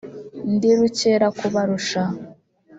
ndi rukerakubarusha